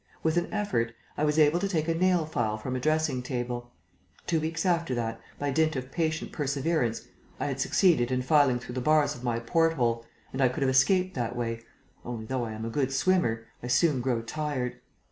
With an effort, I was able to take a nail file from a dressing table. Two weeks after that, by dint of patient perseverance, I had succeeded in filing through the bars of my port hole and I could have escaped that way, only, though I am a good swimmer, I soon grow tired.